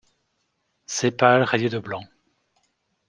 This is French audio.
Sépales rayés de blanc.